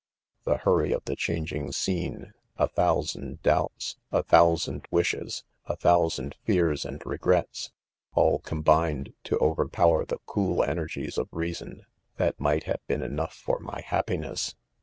4 The hurry of the changing scene, a thou sand doubts, a thousand wishes, a thousand fears and regrets — all combined to overpower the cooler energies of reason, that might have been enough for my happiness.